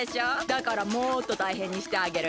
だからもっとたいへんにしてあげる！